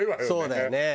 そうだよね。